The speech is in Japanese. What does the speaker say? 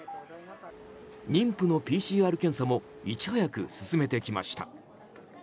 妊婦のＰＣＲ検査もいち早く進めてきました。